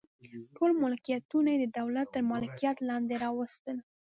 ټول ملکیتونه یې د دولت تر مالکیت لاندې راوستل.